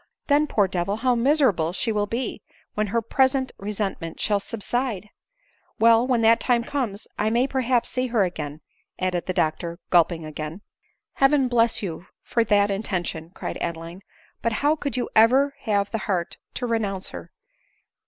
— Then, poor devil, how miserable she will be, when her present resentment shall subside ! Well ; when that time comes I may perhaps see her again," added the doctor, gulping again. " Heaven bless you for that intention !" cried Ade m line. " But how could you ever have the heart to re nounce her